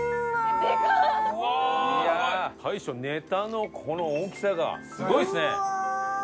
すごい！大将ネタのこの大きさがすごいですね。